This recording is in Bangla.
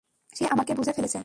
সে আমাকে বুঝে ফেলেছে।